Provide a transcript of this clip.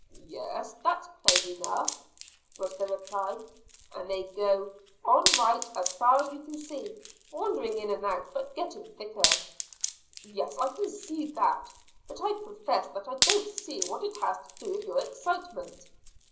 "Yes, that's plain enough," was the reply. "And they go right on as far as we can see, wandering in and out, but getting thicker." "Yes, I can see all that, but I confess that I don't see what it has to do with your excitement."